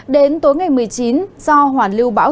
đến tối ngày một mươi chín do hoàn lưu bão